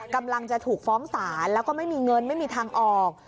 กำลังจะถูกฟ้องศาลแล้วก็ไม่มีเงินไม่มีทางออก